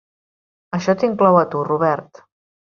Això t'inclou a tu, Robert.